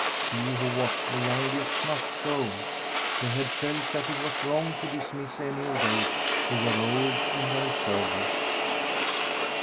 She, who was the youngest, must go. They had felt that it was wrong to dismiss any of those who were old in their service.